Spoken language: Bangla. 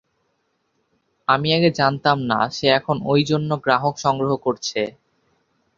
আমি আগে জানতাম না, সে এখন ঐ জন্য গ্রাহক সংগ্রহ করছে।